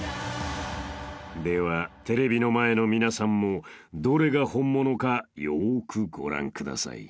［ではテレビの前の皆さんもどれが本物かよーくご覧ください］